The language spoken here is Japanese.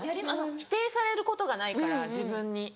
否定されることがないから自分に。